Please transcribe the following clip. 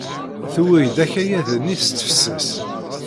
Tuwey-d akayad-nni s tefses.